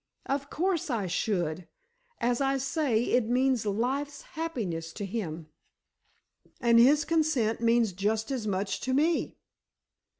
"Of course I should! As I say, it means life's happiness to him." "And his consent means just as much to me."